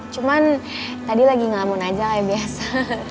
cuman tadi lagi ngelamun aja kayak biasa